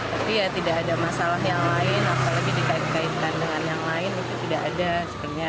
tapi ya tidak ada masalah yang lain apalagi dikait kaitkan dengan yang lain itu tidak ada sepertinya